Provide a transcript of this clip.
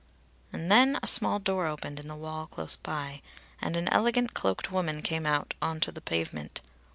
And then a small door opened in the wall close by, and an elegant, cloaked woman came out on to the pavement.